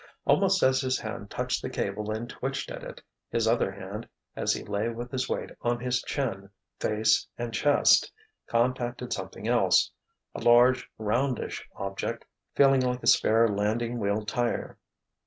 Almost as his hand touched the cable and twitched at it, his other hand, as he lay with his weight on his chin, face and chest, contacted something else—a large, roundish object, feeling like a spare landing wheel tire.